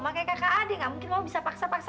makanya kakak adik gak mungkin mau bisa paksa paksa